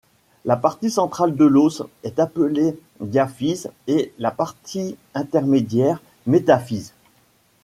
La partie centrale de l'os est appelée diaphyse et la partie intermédiaire métaphyse.